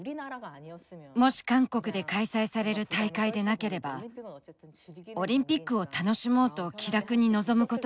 もし韓国で開催される大会でなければオリンピックを楽しもうと気楽に臨むことができたと思う。